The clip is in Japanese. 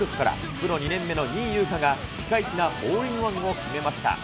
プロ２年目の仁井優花がピカイチなホールインワンを決めました。